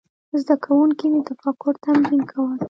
زده کوونکي د تفکر تمرین کول.